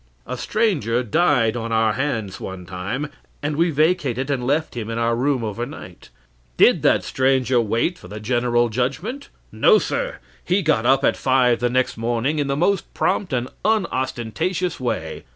A stranger died on our hands one time, and we vacated and left him in our room overnight. Did that stranger wait for the general judgment? No, sir; he got up at five the next morning in the most prompt and unostentatious way.